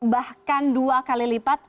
bahkan dua kali lipat